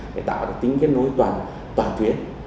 để tạo được tính cái nối toàn tuyến